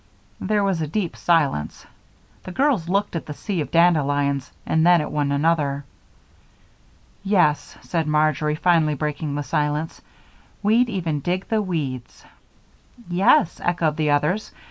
There was a deep silence. The girls looked at the sea of dandelions and then at one another. "Yes," said Marjory, finally breaking the silence. "We'd even dig the weeds." "Yes," echoed the others.